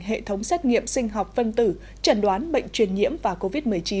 hệ thống xét nghiệm sinh học phân tử chẩn đoán bệnh truyền nhiễm và covid một mươi chín